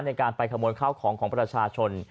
ในการไปขโมยข้าวของของประชาชน